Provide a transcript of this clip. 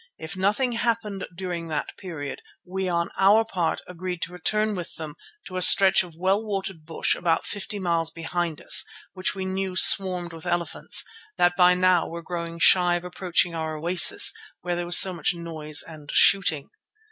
If nothing happened during that period we on our part agreed to return with them to a stretch of well watered bush about fifty miles behind us, which we knew swarmed with elephants, that by now were growing shy of approaching our oasis where there was so much noise and shooting.